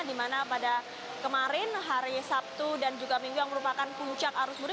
di mana pada kemarin hari sabtu dan juga minggu yang merupakan puncak arus mudik